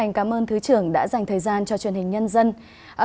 xin chân thành cảm ơn thứ trưởng đã dành thời gian cho thứ trưởng cho truyền hình nhân dân